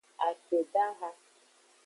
Akpedaha.